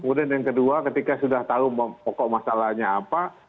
kemudian yang kedua ketika sudah tahu pokok masalahnya apa